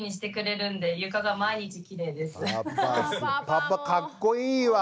パパかっこいいわ。